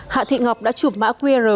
hạ thị ngọc đã chụp mã qr